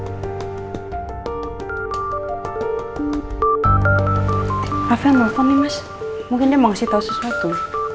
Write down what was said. rafael menelepon nih mas mungkin dia mau kasih tau sesuatu